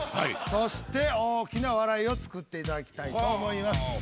そして大きな笑いを作っていただきたいと思います。